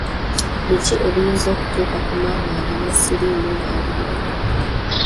Biki ebiyinza okutuuka ku maama alina siriimu ng’ali lubuto?